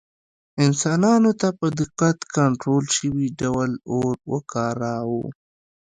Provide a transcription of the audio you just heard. انسانانو په دقت کنټرول شوي ډول اور وکاراوه.